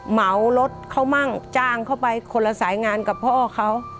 เหมารถเขามั่งจ้างเข้าไปคนละสายงานกับพ่อเขา